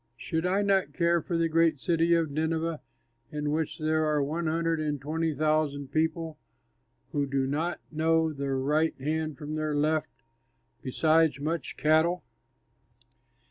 Should I not care for the great city Nineveh, in which there are one hundred and twenty thousand people who do not know their right hand from their left; besides much cattle?"